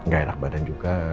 gak enak badan juga